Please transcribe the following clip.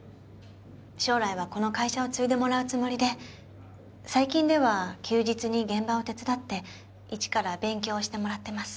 将来はこの会社を継いでもらうつもりで最近では休日に現場を手伝って一から勉強してもらってます。